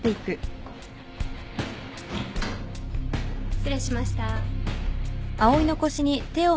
失礼しました。